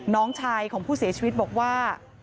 น้องชายของผู้เสียชีวิตบอกว่า